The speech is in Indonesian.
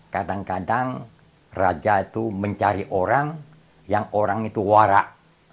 kadang kadang raja itu mencari orang yang orang itu warak